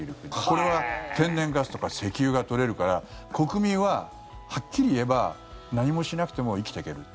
これは天然ガスとか石油が取れるから国民は、はっきり言えば何もしなくても生きていける。